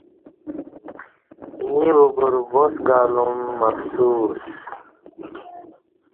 ییں بگور واس گالوم افسوس